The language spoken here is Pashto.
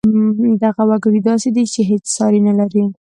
دغه وګړی داسې دی چې هېڅ ساری نه لري